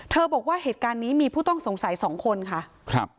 บอกว่าเหตุการณ์นี้มีผู้ต้องสงสัยสองคนค่ะครับ